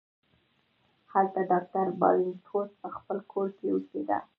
هلته ډاکټر بارنیکوټ په خپل کور کې اوسیده.